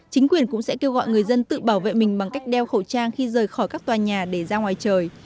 chính quyền cũng sẽ kêu gọi người dân tự bảo vệ mình bằng cách đeo khẩu trang khi rời khỏi các tòa nhà để ra ngoài trời